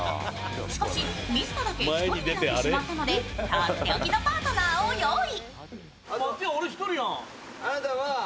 しかし、水田だけ１人になってしまったので、とっておきのパートナーをご用意。